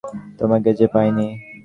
তোমাকে যে পাইনি।